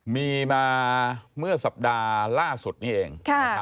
มีมาเมื่อสัปดาห์ล่าสุดนี้เอง